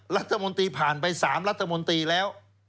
รัฐมนตรีผ่านไป๓รัฐมนตรีแล้ว